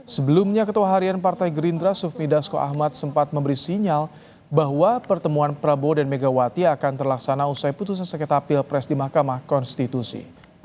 sebelumnya ketua harian partai gerindra sufmi dasko ahmad sempat memberi sinyal bahwa pertemuan prabowo dan megawati akan terlaksana usai putusan sengketa pilpres di mahkamah konstitusi